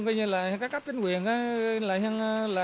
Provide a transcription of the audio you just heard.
các cấp chính quyền